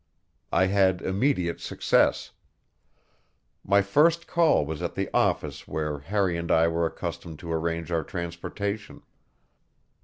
I had immediate success. My first call was at the office where Harry and I were accustomed to arrange our transportation.